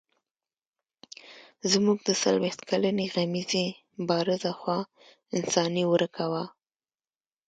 زموږ د څلوېښت کلنې غمیزې بارزه خوا انساني ورکه وه.